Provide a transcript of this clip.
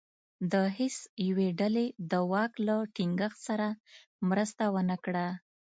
د هېڅ یوې ډلې دواک له ټینګښت سره مرسته ونه کړه.